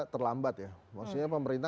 terlambat ya maksudnya pemerintah